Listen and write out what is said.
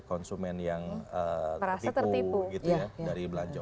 konsumen yang tertipu dari belanja